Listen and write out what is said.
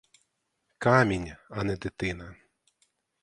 Камінь, а не дитина!